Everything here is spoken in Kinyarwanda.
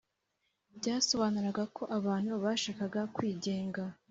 Byasobanuraga ko abantu bashaka ga kwigenga